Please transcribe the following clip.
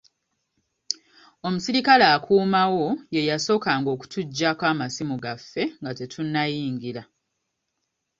Omusirikale akuuma wo ye yasookanga okutuggyako amasimu gaffe nga tetunnayingira.